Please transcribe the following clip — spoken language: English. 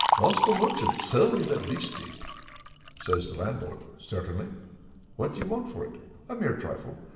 "Master merchant, sell me that beastie," says the landlord. "Certainly." "What do you want for it?" "A mere trifle.